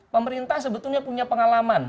pemerintah sebetulnya punya pengalaman